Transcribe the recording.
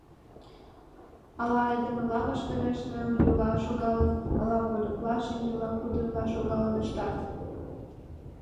Ала айдемыла ваштареш нылйола шогалын, ала вольыкла шеҥгела кудйола шогалын ыштат.